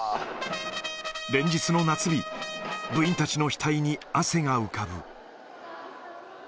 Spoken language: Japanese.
連日の夏日、部員たちの額に汗が浮かぶ。